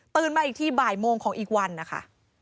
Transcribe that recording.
มาอีกทีบ่ายโมงของอีกวันนะคะ